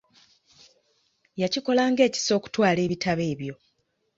Yakikola ng'ekisa okutwala ebitabo ebyo.